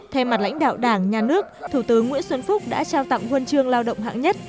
thay mặt lãnh đạo đảng nhà nước thủ tướng nguyễn xuân phúc đã trao tặng huân chương lao động hạng nhất